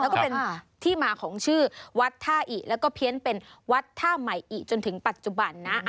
แล้วก็เป็นที่มาของชื่อวัดท่าอิแล้วก็เพี้ยนเป็นวัดท่าใหม่อิจนถึงปัจจุบันนะ